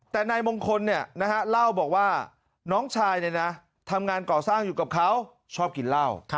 แต่นายมงคลเนี่ยนะฮะเล่าบอกว่าน้องชายเนี่ยนะทำงานก่อสร้างอยู่กับเขาชอบกินเหล้า